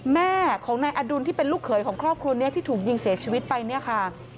แม่ของนายอดุลที่เป็นลูกเขยของครอบครัวนี้ที่ถูกยิงเสียชีวิตไปเนี่ยค่ะ